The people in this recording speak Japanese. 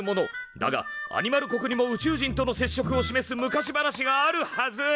だがアニマル国にも宇宙人とのせっしょくを示す昔話があるはず！